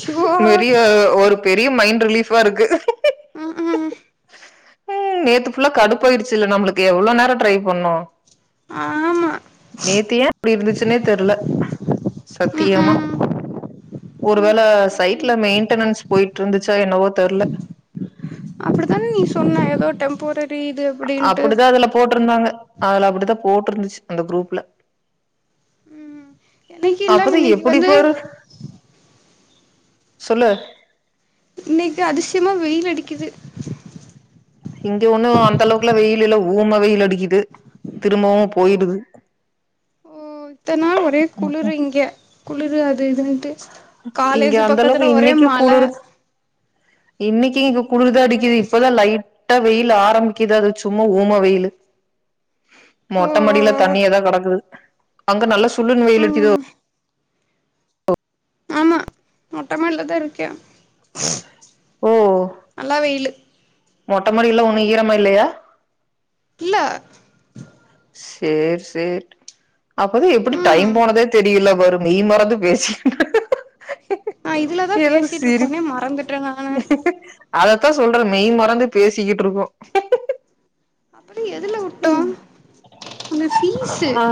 Show மெரிய ஒரு பெரிய மைண்ட் ரிலீஃபா இருக்கு ம்ஹூம் ம் நேத்து புல்லா கடுப்ப ஆயிடுச்சு இல்ல நம்மளுக்கு எவ்ளோ நேரோ ட்ரை பண்ணோ ஆமா நேத்து ஏன் அப்டி இருந்துச்சுன்னே தெரல ம் சத்தியமா ம் ம் ஒருவேளை இன்னைக்கு சைட்ல மெயின்டனன்ஸ் போயிட்டு இருந்துச்சா என்னவோ தெரல அப்டித்தான நீ சொன்ன ஏதோ டெம்போரேட் அ அப்டிதா அதுல போட்டிருந்தாங்க அதுல அப்டித்தா போட்டிருந்துச்சு அந்த குரூப்ல ம் இன்னைக்கு இல்ல அப்பதா இன்னைக்கு எப்டி வந்து பாரு சொல்லு இன்னைக்கு அதிசயமா வெயில் அடிக்குது இங்க ஒண்ணு அந்தளவுக்குல வெயிலல்ல ஊம வெயில் அடிக்குது திரும்பவு போயிடுது [inaudible] ஓ இத்தன நாள் ஒரே குளிர் இங்க குளிர் அது இதுன்ட்டு இங்க காலேஜ் அந்த அளவுக்கு பக்கத்துல ஒரே இன்னைக்கு மழ குளுரு இன்னைக்கி இங்க குளுரு தா அடிக்குது இப்பதா லைட் மொட்ட வெயிலு ஆரம்பிக்குது அது சும்மா ஊம வெயிலு ஓ மொட்ட மாடியில தண்ணியாதா கெடக்குது அங்க நல்லா சுல்லுன்னு வெயில் அடிக்குதோ ம் ஆமா மொட்ட மாடில தா இருக்கே ஓ நல்லா வெயிலு மொட்ட மாடி எல்லா ஒன்னு ஈரமா இல்லையா இல்ல சேர் சேர் அப்பதா எப்புடி டைம் ம் போனதே தெரியல பாரு நீ மறந்து பேசிக் நா இதுலதா எனக் பேசிட்டு சிரிப் இருக்கோனே மறந்துட்டே நானு அதத் தா சொல்றே மெய் மறந்து பேசிக்கிட்டு இருக்கோ அப்டி எதுல விட்டோ அந்த பீஸூ ஆ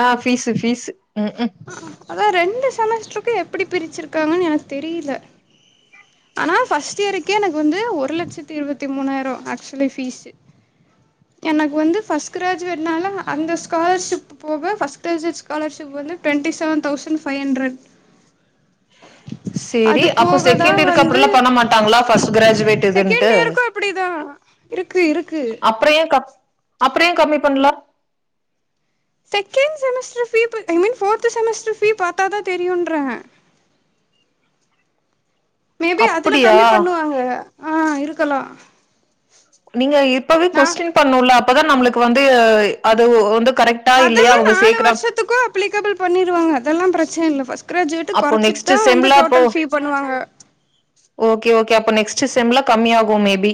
ஆ ஃபீஸு ஃபீஸு ம் ம் அ அதா ரெண்டு செமஸ்டருக்கு எப்பிடி பிரிச்சிருக்காங்கன்னு எனக்கு தெரியல ஆனா ஃபர்ஸ்ட் இயருக்கே எனக்கு வந்து ஒரு லட்சத்தி இருவத்தி மூணாயிரம் ஆக்சுவலி ஃபீஸு எனக்கு வந்து பர்ஸ்ட் கிராஜுவேட்னால அந்த ஸ்காலர்ஷிப் போக பஸ்ட் கிராஜுவட் ஸ்காலர்ஷிப் வந்து twenty seven thousand five hundred சேரி அப்போ போக தா செகண்ட் இயருக்கு அப்புடி வந்து எல்லா பண்ண மாட்டாங்களா ஃபர்ஸ்ட் கிராஜுவேட் இதுன்ட்டு செகண்ட் இயருக்கு இப்டிதா இருக்கு இருக்கு அப்புற ஏ கம்மி பண்ணல செக்ண்ட் செமஸ்டர் பீ போய் ஐ மீன் ஃப்போர்த் செமஸ்டர் பீ பாத்தா தா தெரியுன்றே மே பி அதுல அப்டியா கம்மி பண்ணுவாங்க ஆ இருக்கலா நீங்க இப்பவே நா கொஸ்டின் பண்ணும்ல அப்ப தா நம்மளுக்கு வந்து அது வந்து கரெக்டா இல்லையா அதெல்லா அவங்க நாலு சேக்குறாங் வருஷத்துக்கு அப்ளிக்கபிள் பண்ணிருவாங்க அதெல்லா பிரச்சனை இல்ல ஃபர்ஸ்ட் கிராஜுவேட் அப்போ கொறைச்சிட்டு நெக்ஸ்ட் தா வந்து செம்ல அப்போ டோட்டல் ஃபீ பண்ணுவாங்க ஓகே ஓகே அப்ப நெக்ஸ்ட் செம்ல கம்மி ஆகு மே பி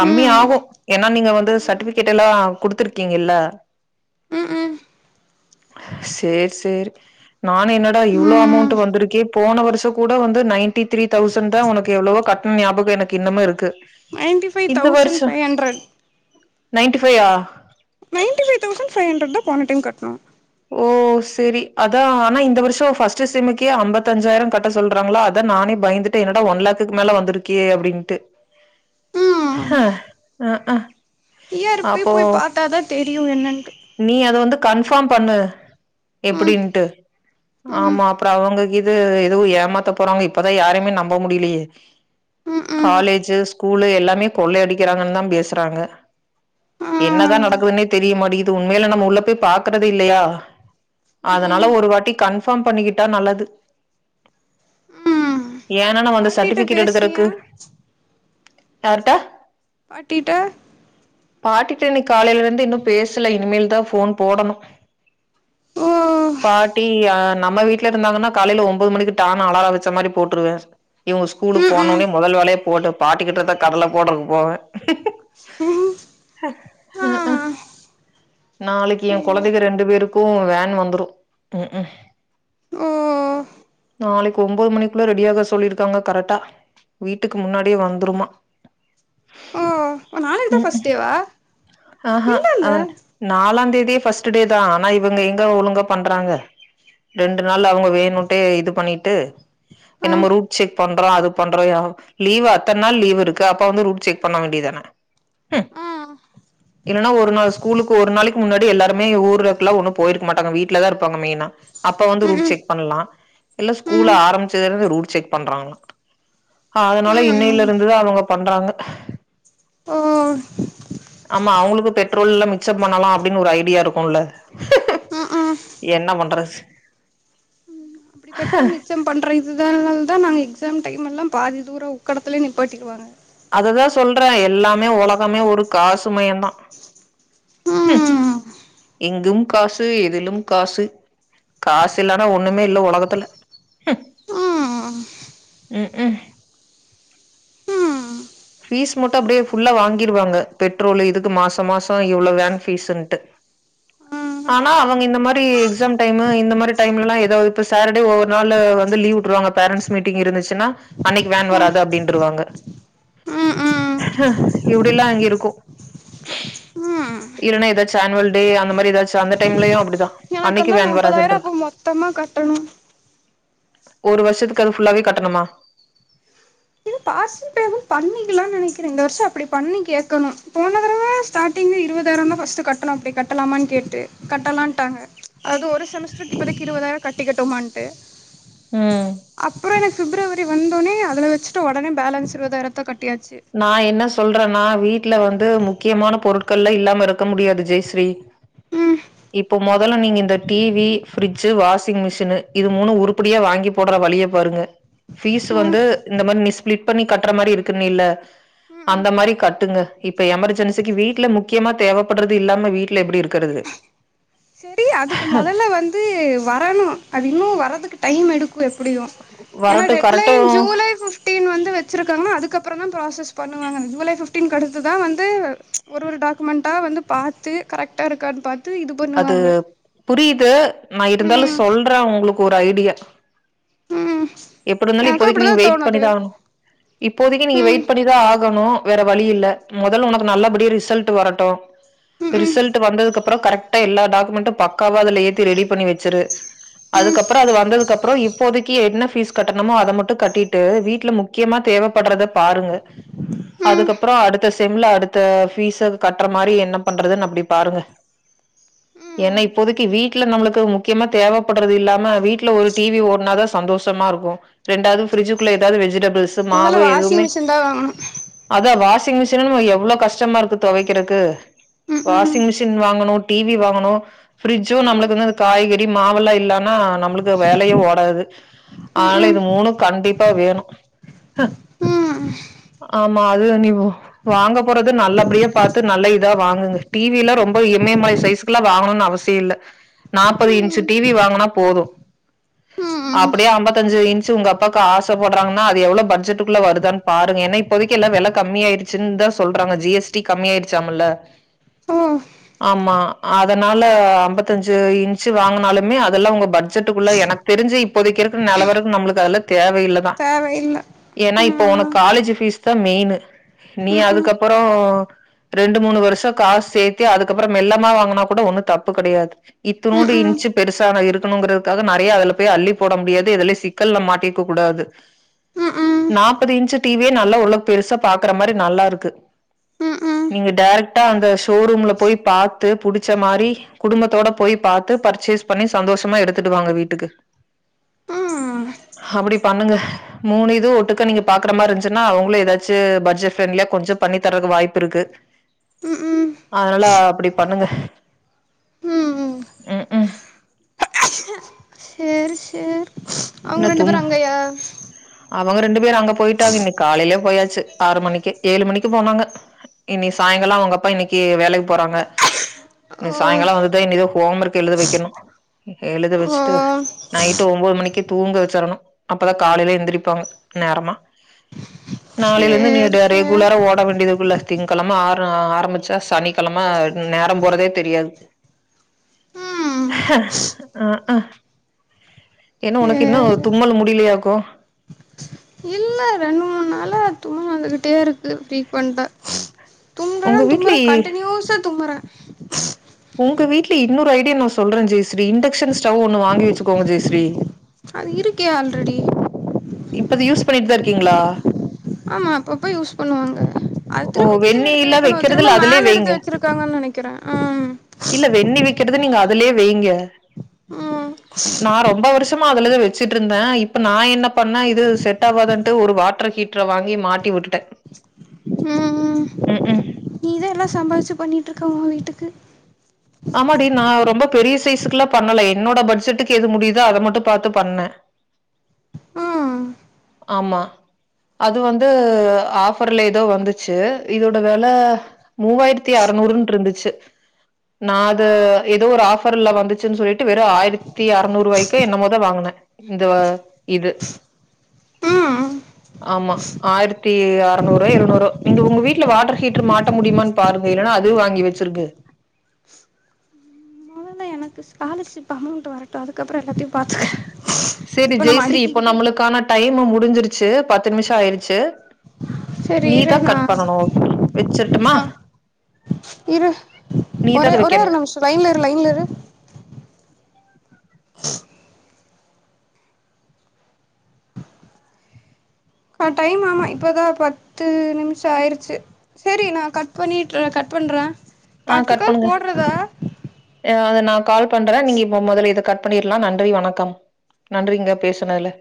கம்மி ம் ஆகு ஏன்னா நீங்க வந் து சர்ட்டிபிகேட் எல்லா குடுத்துருக்கீங்க இல்ல ம் ம் சேர் சேரி நானு என்னடா இவ்ளோ ம் அமௌண்ட் வந்திருக்கே போன வருஷோ கூட வந்து நைன்டி த்ரீ தௌசண்ட் தா ஒனக்கு எவ்ளவோ கட்டண ஞாபகோ எனக்கு இன்னமு இருக்கு ninety five thousand five hundred ninety five ninety five thousand five hundred தா போன டைம் கட்டுணோ ஓ சேரி அதா ஆனா இந்த வருஷோ ஃபர்ஸ்ட் செம்க்கே அம்பத்தஞ்சாயிரோ கட்ட சொல்றாங்களா அதா நானே பய ந்துட்டே என்னடா ஒன் லேக்கு மேல வந்திருக்கே அப்டின்ட்டு ஹ ஆ ஆ இயர்ப் போய் போய் பாத்தா தா தெரியு என்னன்னு இன்பார்ம் பண்ணு ம் எப்டின்ட்டு ம் ஆமா அப்பறோ அவங்ககீது எதுவு ஏமாத்த போறாங்க இப்ப தா யாரையுமே நம்ப முடியலையே ம் ம் காலேஜு ஸ்கூலு எல்லாமே கொள்ளை அடிக்கிறாங்கன்னு தா பேசுறாங்க ஆ என்னதா நடக்குதுன்னே தெரியுமாட்டிகிது உண்மையலே நம்ம உள்ள போய் பாக்குறதே இல்லையா ம் அதனால ம் ஒரு வாட்டி கன்ஃபார்ம் பண்ணிக்கிட்டா நல்லது ம் ஏன்னா நம்ம அந்த பாட்டிட்ட சர்ட்டிபிகேட் எடுக்கறக்கு பேசுனியா யார்ட்ட பாட்டிட்ட பாட்டிட்ட இன்னக்கி காலேல இருந்து இன்னு பேசல இனிமேல் தா ஃபோன் போடணு ஓ பாட்டி யான் நம்ம வீட்ல இருந்தாங்கன்னா காலேல ஒம்பது மணிக்கு டான்னு அலார வெச்ச மாரி போட்டுருவே இவங்க ஸ்கூலுக்கு ம் போன ம் ஒன்னே முதல் வேலயா போட்டு பாட்டி கிட்ட தா கடல போடுறக்கு போவே ம் ஹ ஆ ம் ம் நாளைக்கி ஏ ஐயோ கொழந்தைங்க ரெண்டு பேருக்கு வேன் வந்துரு ம் ம் ஓ நாளைக்கு ஒன்பது மணிக்குள்ள ரெடியாக சொல்லிருக்காங்க கரெக்டா வீட்டுக்கு முன்னாடியே வந்துருமா ஓ நாளைக்கு தா ம் ஃபர்ஸ்ட் ம் டேவா ஆஹா இல்லல்ல அவனுக்கு நாலாந் தேதியே ஃபர்ஸ்ட் டே தா ஆனா இவங்க எங்க ஒழுங்கா பண்றாங்க ரெண்டு நாள் அவங்க வேணுன்ட்டே இது பண்ணீட்டு ஆ என்னமோ ரூட் செக் பண்றோ அது பண்றோ லீவ் அத்தன நாள் லீவ் இருக்கு அப்ப வந்து ரூட் செக் பண்ண வேண்டியதான ஆ இல்லன்னா ஒரு நாள் ஸ்கூலுக்கு ஒரு நாளைக்கி முன்னாடி எல்லாருமே ஊருக்கெல்லா ஒண்ணு போயிருக்க மாட்டாங்க வீட்ல தா இருப்பாங்க மெயினா அப்ப வந்து ம் ரூட் ம் செக் பண்ணலா இல்ல ஸ்கூல் ம் ஆரம்பிச்சதுலருந்து ரூட் செக் பண்றாங்களா அதனால இன்னையில ம் இருந்துதா அவங்க பண்றாங்க ஓ ஆமா அவங்களுக்கு பெட்ரோல்லா மிச்சம் பண்ணலா அப்டின்னு ஒரு ஐடியா இருக்குல்ல ம் என்ன பண்றது ம் அப்டி பெட்ரோல் மிச்சம் பண்றீங் இதுனால தா நாங்க எக்ஸாம் டைம் எல்லா பாதி தூர உக்கடத்துலே நிப்பாட்டிருவாங்க அததா சொல்றே எல்லாமே உலகமே ஒரு காசு மயந்தா ம் எங்கும் காசு எதிலும் காசு காசு இல்லனா ஒண்ணுமே இல்ல உலகத்துல ம் ம் ம் ம் ஃபீஸ் மட்டு அப்டியே ஃபுல்லா வாங்கிருவாங்க பெட்ரோல் இதுக்கு மாசோ மாசோ இவ்வளவு வேன் ஃபீஸ்ன்ட்டு ஆனா அவங்க இந்த மாதிரி எக்ஸாம் டயமு இந்த மாரி டயம்லல்லா ஏதாவது இப்ப சேட்டர்டே ஒவ்வொரு நாள் வந்து லீவ் விட்டுறுவாங்க பேரண்ட்ஸ் மீட்டிங் இருந்துச்சுன்னா அன்னக்கி வேன் ம் வராது அப்டின்னுருவாங்க ம் இப்படிலா அங்க இருக்கு ம் ம் இல்லன்னா ஏதாச்சு ஆனுவல் டே அந்த மாரி ஏதாச்சு அந்த டயம்லயு அப்டிதா அன்னைக்கு எனக்கெல்லா வேன் நாப்பதாயிரோ வராதுன்ற அப்ப மொத்தமா கட்டணு ஒரு வருஷத்துக்கு அது ஃபுல்லாவே கட்டணுமா இது [unintelligible] பேமெண் பண்ணிக்கலான் நெனைக்கிறே இந்த வர்ஷ அப்பிடி பண்ணி கேக்கணும் போன தடவ ஸ்டாடிங் இருவதாயிரந்தா ஃபஸ்ட்டு கட்டுணோ அப்டி கட்டலாமான் கேட்டு கட்டலான்டாங்க அது ஒரு செமஸ்ட்ருக் இப்போதைக் இருவதாயிரோ கட்டிக்கட்டுமான்ட்டு. ம் அப்புறோ எனக் ஃபிப்ரவரி வந்தொனே அதுல வெச்சுட்ட ஒடனே பேலன்ஸ் இருவதாயிரத்த கட் நா என்ன சொல்றன்னா வீ ட்ல வந்து முக்கியமான பொருட்கள்லா இல்லாம இருக்க முடியாது ஜெய்ஸ்ரீ ம் இப்போ மொதல்ல நீங்க இந்த T V fridge washing machine இது மூணு உருப்படியா வாங்கி போட்ற வழிய பாருங்க. ஃபீஸ் ம் வந்து இந்த மாரி நீ ஸ்பிளிட் பண்ணி கட்ற மாரி இருக்குன்னியில்ல ம் ம் அந்த மாரி கட்டுங்க இப்ப எமர்ஜென்சிக்கி வீட்ல முக்கியமா தேவப்பட்றது இல்லாம வீட்ல எப்டி இருக்கறது? ட்டி அதுக்கு மொதல்ல வந்து வரணு அது இன்னு வரதுக்கு டைம் எடுக்கு எஸ் முடியு ஏனா வரட்டு டெட் கரட்டு லைன் ஜூலை ஃபிஃப்டீன் வந்து வெச்சிருக்காங்கனா அதுக்கப் பறந்தா ப்ராசஸ் பண்ணுவாங்க ஜூலை ஃபிஃப்டீன்க் அடுத்து தா வந்து ஒரு ஒரு டாக்குமெண்ட்டா வந்து பாத்து கரெக்ட்டா இருக்கான் பாத்து இது பண்ணுவாங்க புரிது நா இருந்தாலு ம் சொல்றே உங்குளுக்கு ஒரு ஐடியா ம் எப்பிடிருந்தாலு எனக்கு இப்போதைக்கி அப்டிதா நீங்க வெயிட் தோணுது பண்ணிதா ஆகணு இப்போதைக்கி நீங்க ம் வெயிட் பண்ணிதா ஆகணு வேற வழி இல்ல மொதல்ல உனக்கு நல்லபடியா ரிசல்ட்டு வரட்டு ம் ம் ரிசல்ட்டு வந்ததுக்கு அப்புறோ கரெ ட்டா எல்லா டாக்குமெண்டு பக்காவா அதுல ஏத்தி ரெடி பண்ணி வெச்சிரு ம் அதுக்கப்புறோ அது வந்ததுகப் ப்றோ இப்போதைக்கி என்ன ஃபீஸ் கட்டணுமோ அத மட்டு கட்டிட்டு வீட்ல முக்கியமா தேவப்பட்றத பாருங்க ம் அதுக்கப்புறோ அடுத்தஸ் செம்ல அடுத்த ஃபீஸ கட்ற மாரி என்ன பண்றதுன் அப்டி பாருங்க. ஏனா ம் இப்போதைக்கி வீட்ல நம்மளுக்கு முக்கியமா தேவப்பட்றது இல்லாம வீட்ல ஒரு டி வி ஓட்னாதா சந்தோஷமா ருக்கு ரெண்டாவ்து ஃபிரிட்ஜ்க்குள்ள எதாது வெஜிடபிள்ஸு மொதல்ல மாவு வாஷிங் எதுவுமே மிஷின் தா வாங்கணு அதா வாஷி ங்மிஷினு எவ்ளோ கஷ்டமாருக்கு தொவைக்கறக்கு ம் ம் வாஷிங் மிஷின் வாங்கனு டி வி வாங்கணு ஃபிரிட்ஜு நம்மளுக்கு வந்து அந்த காய்கறி மாவெல்லா இல்லானா நம்மளுக்கு வேலையே ஓடாது. ம் ஆனாலு இது ம் மூனு கண்டிப்பா வேணு ம் ஆமா அது நீவு வாங்க போறது நல்லபடியா பாத்து நல்ல இதா வாங்குங்க டி வி எல்லா ரொம்போ இமயமலைஸ் சைசுகல்லா வாங்கணுன் அவசியொ இல்ல நாப்பது இன்ச்சு டி வி வாங்கனா போது ம் ம் ம் அப்பிடியே அம்பத்தஞ்சு இன்ச்சு உங்க அப்பாக்கு ஆசபட்றாங்கன்னா அது எவ்ளோ பட்ஜெட்க்குல்ல வருதான் பாருங்க ஏனா இப்போதைக்கி எல்லா வெல கம்மி ஆயிடுச்சுன் தா சொல்றாங்க ஜி எஸ் டி கம்மி ஆயிடுச்சாம்ல்ல ஓ ஆம்மா அதனால அம்பத்தஞ்சு இன்ச்சு வாங்கனாலுமே அதல்லா உங்க பட்ஜெட்டுக்குள்ள எனக் தெரிஞ்சி இப்போதைக்கி இருக்கற நெலவரக்கு நம்புளுக்கு அதெல்லா தேவையில்லதா தேவை இல்ல ஏன்னா இப்போ உனுக் காலேஜ் ஃபீஸ் தா மெயினு நீ ம் ம் அதுக்கப்பறோ ரெண்டு மூணு வருஷோ காசு சேத்தி அதுக்கப்பறோ மெல்லமா வாங் கனாகூட ஒன்னு தப்பு கெடையாது ம் ம் இத்துனூன்டு ம் இன்ச்சு பெருசான இருக்குணுங்கிறதுக்காக நறையா அதுல போய் அள்ளி போட முடியா து எதுலி சிக்கல்ல மாட்டிக்க கூடாது ம் ம் ம் நாப்பது இன்ச்சு டி வி யே நல்லா உள்ள பெருசா பாக்கற மாரி நல்லாருக்கு. நீங்க டைரெக்டா அந்த ஷோரூம்ல போய் பாத்து புடி ச்ச மாரி குடும்பத்தோட போய் பாத்து பர்ச்சேஸ் பண்ணி சந்தோஷமா எடுத்துட்டு வாங்க வீட்டுக்கு அப்டி பண்ணுங்க மூணு இதுவு ஒட்டுக்கா நீங்க பாக்கற மாரி இருஞ்ச்சுன்னா அவுங்ளே ஏதாச்சு பட்ஜெட் ஃப்ரெண்லியா கொஞ்சோ பண்ணி தர வாய்ப்பு இருக்கு ம் ம் அதனால அப்பிடி பண்ணுங்க ம் ஹு சேரி சேர் என்ன அவுங்க ரெண்டு தும் பேரு அங்கயா அவங்க ரெண்டு பேரு அங்க போயிட்டாங்க இன்னிக் காலைலியே போயாச்சு ஆறு மணிக்கே ஏழு மணிக்கு போனாங்க இன்னி சாயங்கால அவுங்க அப்பா இன்னிக்கி வேலைக் போறாங்க. இனி ஓ சாயங்கால வந்துதா இனிதா ஹோம் ஒர்க் எழுத வைக்கணு எழுத ஓ வச்சுட்டு நைட்டு ஒன்பது மணிக்கி தூங்க வச்சிரணு அப்பத காலையில எந்திரிப்பாங்க நேரமா நாளைல இருந்து சேரி [unintelligible] சேரி உள்ளார ஓட வேண்டியதுக்குல்ல திங்ககிழம ஆர ஆரம்பிச்சா சனிக்கிழம நேரம் போறதே தெரியாது ம் அக்க என்னா உனக்கு இன்னு சேரி தும்மல் முடியலையாக்கோ இல்ல ரெண்டு மூணு நாளா தும்மல் வந்துகிட்டே இருக்கு ஃப்ரீக்வென்டா தும்பறே உங்க வீட்ல தும்பறே கண்டின்யூஸா தும்பறே உங்க வீட்ல இன்னொரு ஐடியா நா சொல்றே ஜெய்ஸ்ரீ இண்டக்ஸன் ஸ்டவ் ஒண்ணு வாங்கி வச்சுக்கோங்க ஜெய்ஸ்ரீ அது இருக்கே ஆல்ரெடி இப்ப அத யூஸ் பண்ணிட்டு தா இருக்கீங்களா ஆமா அப்பப்ப யூஸ் பண்ணுவாங்க அது ஓ திரும்ப கீழே எடுத்து வெந்நீர்லா வைக்கணு திரும்ப வைக்கிறதுல அதுலயே மேல எடுத்து வைங்க வச்சிருக்காங்கன்னு நினைக்கிறே ஆ ம் கெட்டத நீங்க அதுலயே வைங்க ம் நா ரொம்ப வருஷமா அதுலதா வச்சிட்டு இருந்தே இப்ப நா என்ன பண்ணே இது செட்டாவாதுன்ட்டு ஒரு வாட்டர் ஹீட்டர் ஹீட்டர வாங்கி மாட்டி விட்டுட்டே க் ம் இதெல்லா சம்பாதிச்சி பண்ணிட்டு இருக்கோ வீட்டுக்கு ஆமாடி நா ரொம்ப பெரிய சைசுக்கெல்லா பண்ணல என்னோட பட்ஜெட்டுக்கு எது முடியுதோ அத மட்டு பாத்து பண்ணே ம் ஆமா அது வந்து ஆஃபர்ல ஏதோ வந்துச்சு இதோட விலை மூவாயிரத்தி ஆறுநூ நூறும் இருந்துச்சி நா ஓ அது ஏதோ ஒரு ஆபர்ல வந்துச்சின்னு சொல்லிட்டு வெறு ஆயிரத்தி அறுநூறு வாய்க்கே என்னமோ தா வாங்குனு இந்த இது ம் ஆமா ஆயிரத்தி அறநூறுரோ எழுநூறுரோ நீங்க உங்க வீட்ல வாட்டர் ஹீட்டர் மாட்ட முடியுமான் பாருங்க இல்லனா நா அதுவு வாங்கி வச்சிருக்கு மொதல்ல எனக்கு ஸ்காலர்ஷிப் அமௌண்ட் வரட்டு அதுக்கப் சேரி நம்ம ஜெயஸ்ரீ இப்போ அடிக்கிக்கிட்டே நம்ளுக்கான டைம் முடிஞ்சிரு ச்சி பத்து நிமிஷோ ஆயிருச்சி சரி நீ இரு தா நா கட் பண்ணணோ வெச்சிருட்டுமா ஆ இரு ஒரே ஒரே ஒரு நிமிஷோ லைன்ல இரு லைன்ல இரு காட் டைம் ஆமா இப்தா பத்து நிமிஷம் ஆயிருச்சி சேரி நா கட் பண்ணிட்ற கட் ப பண்ற ஆ இப்ப அடுத்த கட் கால் பண்ணுங்க போட்றதா அது நா கால் பண்ற நீங்க இப்போ மொதல்ல இத கட் பண்ணிர்லா நன்றி வணக்கம் நன்றிங்க பேசுனதுல